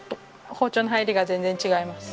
包丁の入りが全然違います。